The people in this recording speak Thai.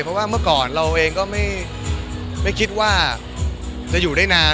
เพราะว่าเมื่อก่อนเราเองก็ไม่คิดว่าจะอยู่ได้นาน